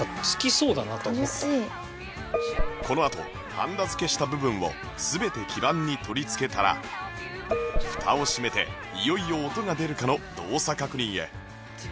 このあとはんだ付けした部分を全て基板に取り付けたら蓋を閉めていよいよ音が出るかの動作確認へ